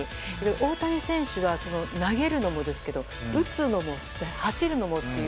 大谷選手は投げるのもですけど打つのもそして走るのもっていう。